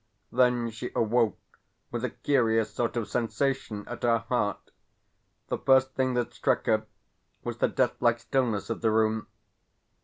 Then she awoke with a curious sort of sensation at her heart. The first thing that struck her was the deathlike stillness of the room.